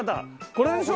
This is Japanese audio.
これでしょ？